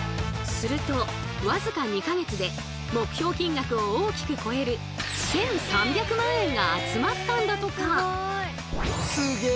すると僅か２か月で目標金額を大きく超える１３００万円が集まったんだとか。